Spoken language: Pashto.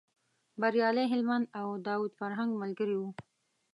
بریالی هلمند او داود فرهنګ ملګري و.